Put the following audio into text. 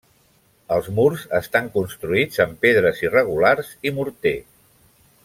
Els murs estan construïts amb pedres irregulars i morter.